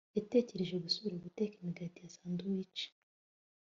yatekereje gusubira guteka imigati ya sandwiches